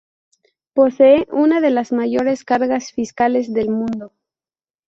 Posee una de las mayores cargas fiscales del mundo.